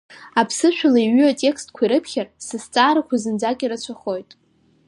Аԥсышәала иҩу атекстқәа ирыԥхьар, сызҵаарақәа зынӡак ирацәахоит.